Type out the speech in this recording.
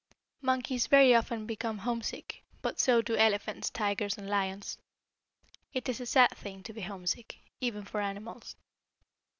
Monkeys very often become homesick, but so do elephants, tigers and lions. It is a sad thing to be homesick, even for animals.